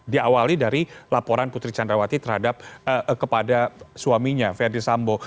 diawali dari laporan putri candrawati terhadap kepada suaminya ferdis sambo